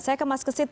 saya ke mas kesit